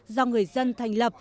do người dân thành lập